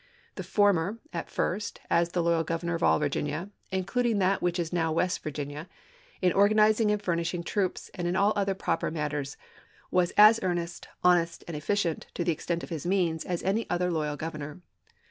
The former, at first, as the loyal Governor of all Virginia, including that which is now West Virginia, in organizing and furnishing troops, and in all other proper matters, was as earnest, honest, and efficient, to the extent of his means, as any other loyal governor.